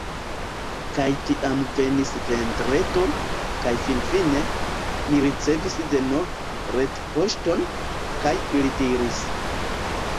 Kaj tiam venis Vendredo, kaj finfine, mi ricevis denove retpoŝton, kaj ili diris: